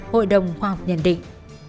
hội đồng khoa học nhận định